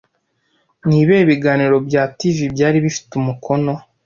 Ni ibihe biganiro bya TV byari bifite umukono